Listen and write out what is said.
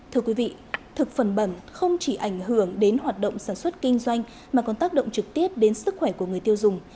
thưa quý vị thực phẩm bẩn không chỉ ảnh hưởng đến hoạt động sản xuất kinh doanh mà còn tác động trực tiếp đến sức khỏe của người tiêu dùng